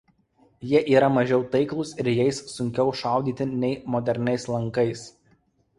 Jie yra mažiau taiklūs ir jais sunkiau šaudyti nei moderniais lankais.